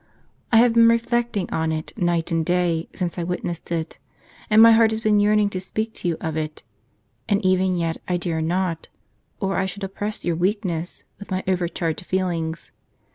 I have been reflecting on it, night and day, since I witnessed it; and my heart has been yearning to speak to you of it, and even yet I dare not, or I should oppress your weakness with my overcharged feelings.